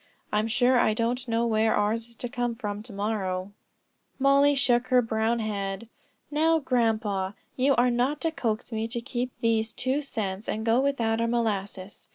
I'm sure I don't know where ours is to come from to morrow." Mollie shook her brown head. "Now, grandpa, you are not to coax me to keep these two cents and go without our molasses.